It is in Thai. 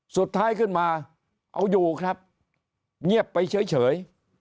สุดท้ายขึ้นมาเอาอยู่ครับเงียบไปเฉย